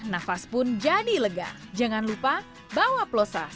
nafas pun jadi lega jangan lupa bawa plosa